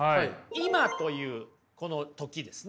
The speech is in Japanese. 「今」というこの時ですね。